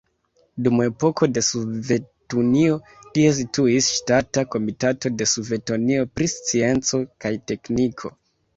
Dum epoko de Sovetunio tie situis Ŝtata komitato de Sovetunio pri scienco kaj tekniko.